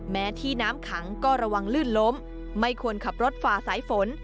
แม้ที่น้ำขังก็ระวังลื่นล้มไม่ควรขับรถฝ่าสายฝน